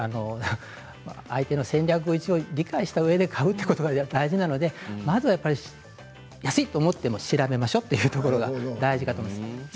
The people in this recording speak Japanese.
相手の戦略を理解したうえで買うということが大事なのでまずは安い！と思っても調べましょうというところが大事かと思います。